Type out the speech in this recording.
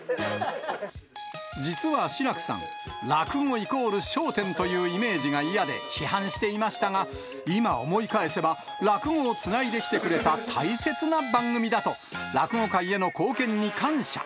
実は志らくさん、落語イコール笑点というイメージが嫌で、批判していましたが、今、思い返せば、落語をつないできてくれた大切な番組だと、落語界への貢献に感謝。